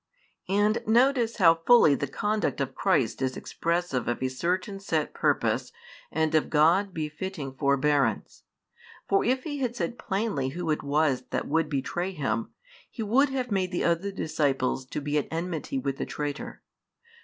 And notice how fully the conduct of Christ is expressive of a certain set purpose and of God befitting forbearance. For if He had said plainly who it was that would betray Him, He would have made the other disciples to be at enmity with the traitor.